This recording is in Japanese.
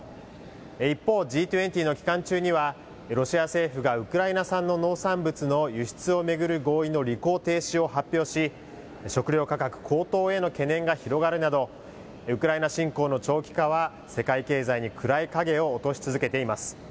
一方、Ｇ２０の期間中には、ロシア政府がウクライナ産の農産物の輸出を巡る合意の履行停止を発表し、食料価格高騰への懸念が広がるなど、ウクライナ侵攻の長期化は世界経済に暗い影を落とし続けています。